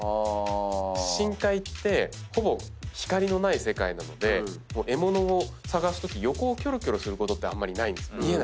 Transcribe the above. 深海ってほぼ光のない世界なので獲物を探すとき横をきょろきょろすることってあんまりないんです。